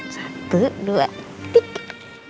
satu dua tiga